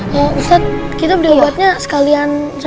ya ustadz kita beli obatnya sekalian sama ustadz musa